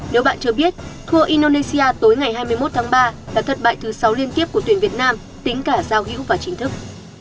nếu bạn chưa biết thua indonesia tối ngày hai mươi một tháng ba là thất bại thứ sáu liên tiếp của tuyển việt nam tính cả giao hữu và chính thức